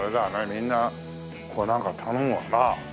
みんなここはなんか頼むわな。